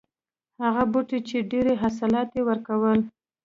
هغه بوټی چې ډېر حاصلات یې ورکول.